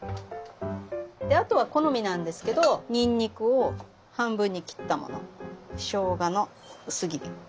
であとは好みなんですけどにんにくを半分に切ったものしょうがの薄切り。